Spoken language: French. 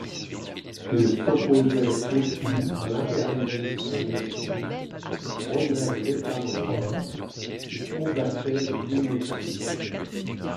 Ils s'opposaient aussi à l'impérialisme américain, prônaient l'étalon-or et combattaient le bimétallisme.